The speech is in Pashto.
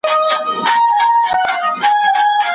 جهاني دلته به له چا څخه پوښتنه کوو